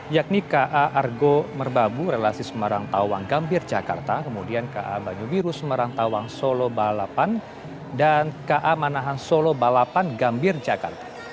yakni ka argo merbabu relasi semarang tawang gambir jakarta kemudian ka banyu biru semarang tawang solo balapan dan ka manahan solo balapan gambir jakarta